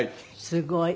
すごい。